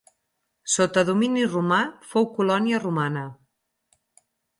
Sota domini romà fou colònia romana.